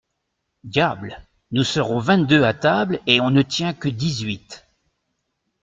Diable ! nous serons vingt-deux à table et on ne tient que dix-huit.